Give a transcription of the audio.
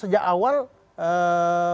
sejak awal ee